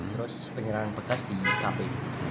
terus penyerahan berkas di kpu